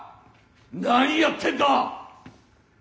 何やってんだ！